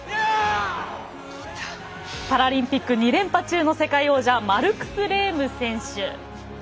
パラリンピック２連覇中の世界王者マルクス・レーム選手。